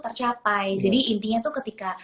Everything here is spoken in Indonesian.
tercapai jadi intinya tuh ketika